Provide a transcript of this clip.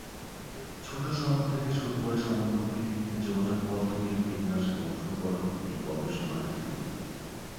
ছোট শহর থেকে শুরু করে সমগ্র পৃথিবীতে যোগাযোগ পদ্ধতির বিন্যাস এবং সংগঠন এই গবেষণার একটি দিক।